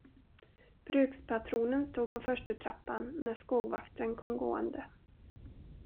Brukspatronen stod på förstutrappan, när skogvaktaren kom gående.